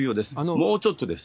もうちょっとです。